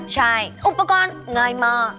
ใช่อุปกรณ์ง่ายมาก